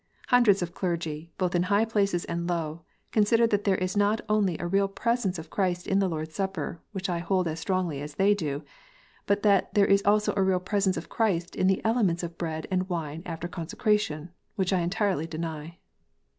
Hundreds of clergy, both in high places and low, consider that there is not only a real presence of Christ in the Lord s Supper, which I hold as strongly as they do, but that there is also a real presence of Christ in the elements of bread and wine after consecration,* which I entirely deny.